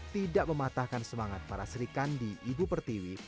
tidak mematahkan semangat para sri kandi ibu pertiwi